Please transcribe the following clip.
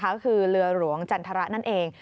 ก็คือเรือหลวงจันทรนั่นเอง